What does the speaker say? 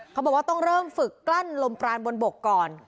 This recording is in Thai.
เขาบอกว่าต้องเริ่มฝึกกลั้นลมปรานบนบกก่อน